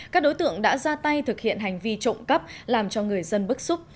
các đối tượng đã ra tay thực hiện hành vi trộm cắp làm cho người dân bức xúc